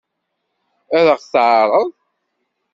Ad ɣ-t-teɛṛeḍ?